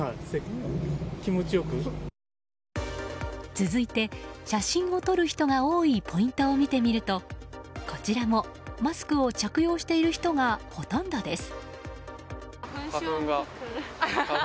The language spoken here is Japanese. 続いて写真を撮る人が多いポイントを見てみると、こちらもマスクを着用している人がほとんどです。